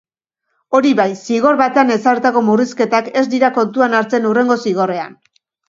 Hori bai, zigor batean ezarritako murrizketak ez dira kontuan hartzen hurrengo zigorrean.